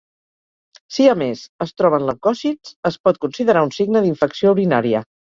Si, a més, es troben leucòcits, es pot considerar un signe d'infecció urinària.